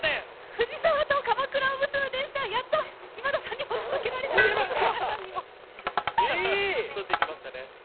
藤沢と鎌倉を結ぶ電車今田さんにも届けられました！